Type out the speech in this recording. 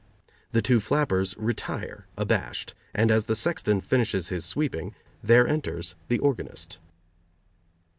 The two flappers retire abashed, and as the sexton finishes his sweeping, there enters the organist.